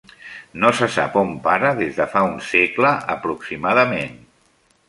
No se sap on para des de fa un segle aproximadament.